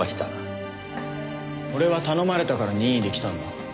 俺は頼まれたから任意で来たんだ。